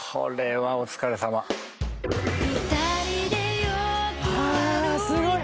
はあすごい！